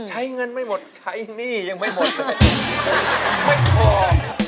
ใช้เงินไม่หมดใช้หนี้ยังไม่หมดเลยไม่พอ